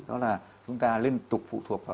đó là chúng ta liên tục phụ thuộc vào